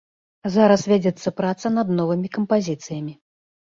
Зараз вядзецца праца над новымі кампазіцыямі.